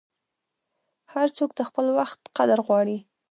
هر څوک د خپل وخت قدر غواړي.